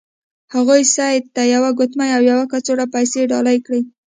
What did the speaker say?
هغوی سید ته یوه ګوتمۍ او یوه کڅوړه پیسې ډالۍ کړې.